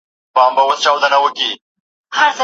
ایا بهرني سوداګر خندان پسته پلوري؟